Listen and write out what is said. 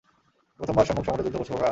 প্রথমবার সম্মুখ সমরে যুদ্ধ করছ, খোকা?